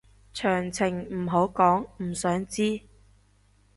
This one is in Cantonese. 詳情唔好講，唔想知